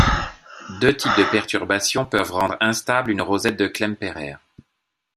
Deux types de perturbations peuvent rendre instables une rosette de Klemperer.